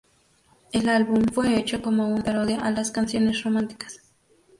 El álbum fue hecho como una parodia a las canciones románticas.